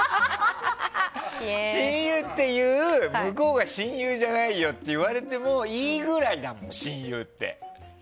親友っていう、向こうが親友じゃないよって言われてもいいぐらいだもん、親友って。